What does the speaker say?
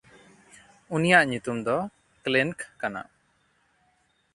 ᱩᱱᱤᱭᱟᱜ ᱧᱩᱛᱩᱢ ᱫᱚ ᱠᱞᱮᱱᱠ ᱠᱟᱱᱟ᱾